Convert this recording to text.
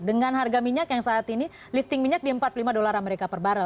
dengan harga minyak yang saat ini lifting minyak di empat puluh lima dolar amerika per barrel